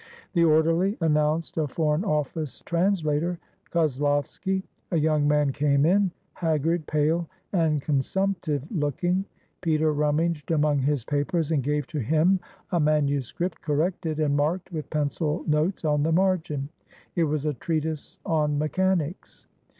The orderly announced a Foreign Office translator, Koslovsky. A young man came in, haggard, pale, and consumptive looking. Peter rummaged among his pa pers and gave to him a manuscript corrected and marked with pencil notes on the margin; it was a treatise on mechanics.